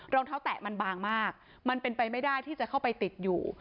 รองเท้าแตะมันบางมากมันเป็นไปไม่ได้ที่จะเข้าไปติดอยู่